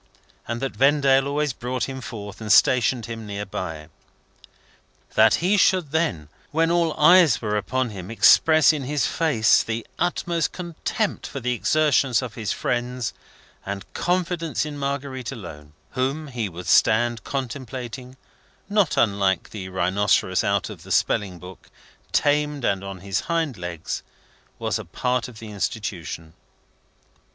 and that Vendale always brought him forth, and stationed him near by. That he should then, when all eyes were upon him, express in his face the utmost contempt for the exertions of his friends and confidence in Marguerite alone, whom he would stand contemplating, not unlike the rhinocerous out of the spelling book, tamed and on his hind legs, was a part of the Institution.